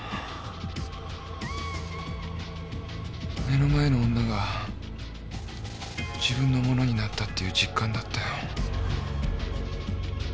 目の前の女が自分のものになったっていう実感だったよ。